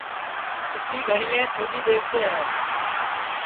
اُسی گھںٚٹؔیں چھوڈؔی دؔیوتے ہے